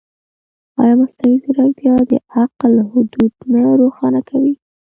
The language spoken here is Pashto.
ایا مصنوعي ځیرکتیا د عقل حدود نه روښانه کوي؟